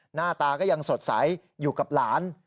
หน้าตาก็ยังสดใสอยู่กับหลาน